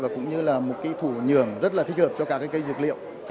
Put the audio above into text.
và cũng như là một cái thủ nhường rất là thích hợp cho các cái cây dược liệu